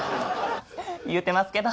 言うてますけど。